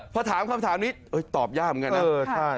พอถามคำถามนี้ตอบยากเหมือนกันนะ